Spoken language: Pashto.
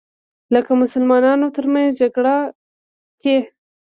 لکه مسلمانانو تر منځ جګړو کې